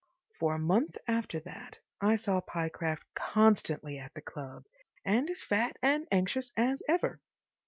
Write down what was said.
For a month after that I saw Pyecraft constantly at the club and as fat and anxious as ever.